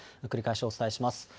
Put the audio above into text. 繰り返しお伝えします。